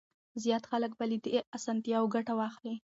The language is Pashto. زيات خلک به له دې اسانتياوو ګټه واخلي.